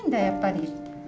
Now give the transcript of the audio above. やっぱり。